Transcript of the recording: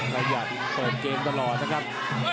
ประหยัดเปิดเกมตลอดนะครับ